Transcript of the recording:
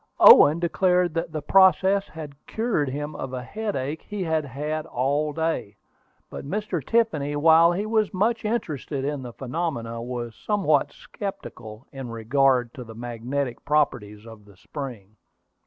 Owen declared that the process had cured him of a headache he had had all day; but Mr. Tiffany, while he was much interested in the phenomenon, was somewhat skeptical in regard to the magnetic properties of the spring.